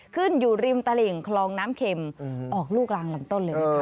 ขึ้นอยู่ริมตลิ่งคลองน้ำเข็มออกลูกลางลำต้นเลยนะคะ